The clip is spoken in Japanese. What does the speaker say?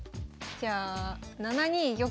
じゃあ７二玉。